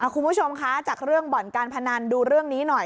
คุณผู้ชมคะจากเรื่องบ่อนการพนันดูเรื่องนี้หน่อย